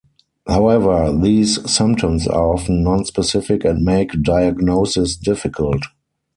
However, these symptoms are often non-specific and make diagnosis difficult.